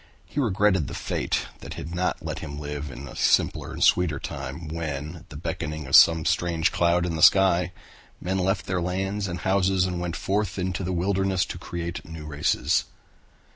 He regretted the fate that had not let him live in a simpler and sweeter time when at the beckoning of some strange cloud in the sky men left their lands and houses and went forth into the wilderness to create new races.